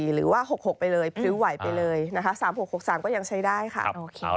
หรือว่า๖๖ไปเลยก็ยังใช้ได้ค่ะ